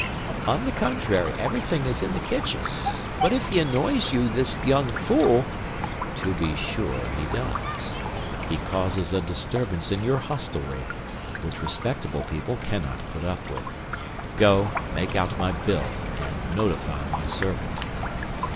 "On the contrary, everything is in the kitchen. But if he annoys you, this young fool—" "To be sure he does. He causes a disturbance in your hostelry, which respectable people cannot put up with. Go; make out my bill and notify my servant."